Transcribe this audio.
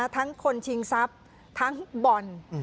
ทั้งคนชิงทรัพย์ทั้งบอล